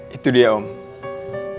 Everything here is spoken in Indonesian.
terus kuncinya gimana